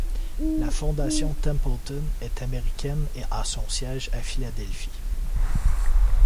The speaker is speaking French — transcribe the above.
La Fondation Templeton est américaine et a son siège à Philadelphie.